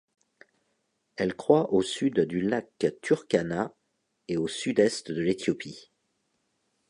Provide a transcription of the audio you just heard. Elle croît au sud du lac Turkana et au sud-est de l'Éthiopie.